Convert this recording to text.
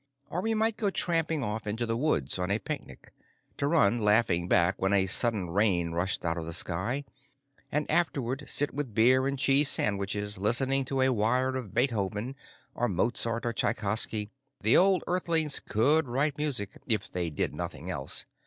Or we might go tramping off into the woods on a picnic, to run laughing back when a sudden rain rushed out of the sky, and afterward sit with beer and cheese sandwiches listening to a wire of Beethoven or Mozart or Tchaikovsky the old Earthlings could write music, if they did nothing else!